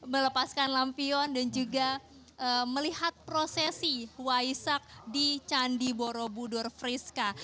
melepaskan lampion dan juga melihat prosesi waisak di candi borobudur friska